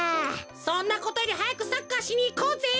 そんなことよりはやくサッカーしにいこうぜ！